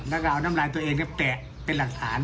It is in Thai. แล้วก็เอาน้ำลายตัวเองแกะเป็นหลักฐาน